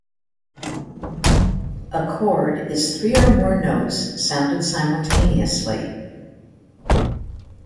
A chord is three or more notes sounded simultaneously.